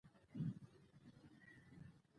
ليکوال په ولسونو باندې ګرځي